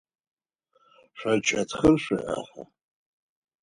Шъо чэтхэр шъуиӏэха?